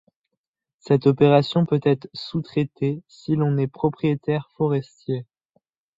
Cette opération peut être sous traitée si l'on est propriétaire forestier.